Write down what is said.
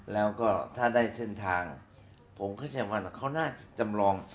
แล้วก็ถ้าได้เส้นทางผมเข้าใจว่าเขาน่าจะจำลอง